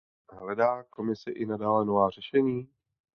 Hledá Komise i nadále nová řešení?